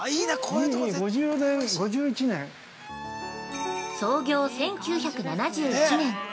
５０年５１年◆創業１９７１年。